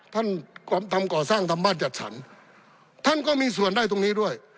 ทำก่อสร้างทำบ้านจัดสรรท่านก็มีส่วนได้ตรงนี้ด้วย